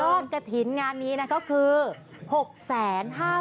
ยอดกะทินงานนี้นะก็คือ๖๕๘๑๗๗บาท๓๗สตาร์